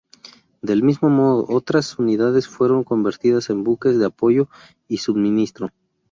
Del mismo modo, otras unidades fueron convertidas en buques de apoyo y suministro.